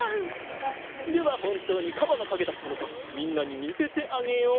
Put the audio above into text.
ではほんとうにかばのかげだったのかみんなにみせてあげよう！